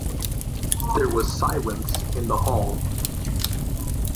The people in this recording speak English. There was silence in the hall.